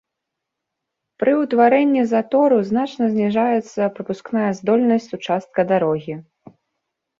Пры ўтварэнні затору значна зніжаецца прапускная здольнасць участка дарогі.